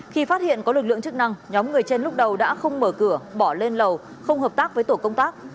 khi phát hiện có lực lượng chức năng nhóm người trên lúc đầu đã không mở cửa bỏ lên lầu không hợp tác với tổ công tác